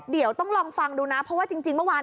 เดี๋ยวต้องลองฟังดูนะเพราะว่าจริงเมื่อวาน